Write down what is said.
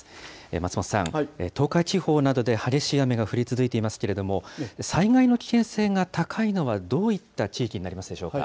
松本さん、東海地方などで激しい雨が降り続いていますけれども、災害の危険性が高いのはどういった地域になりますでしょうか。